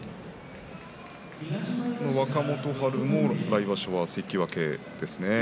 若元春も来場所は関脇ですね。